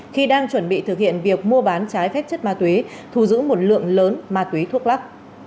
khi đang chuẩn bị thực hiện việc mua bán trái phép chất ma túy thù giữ một lượng lớn ma túy thuốc lắc